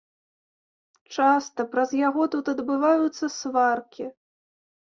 Часта праз яго тут адбываюцца сваркі.